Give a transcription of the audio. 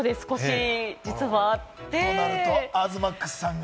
ということは東ＭＡＸさんが？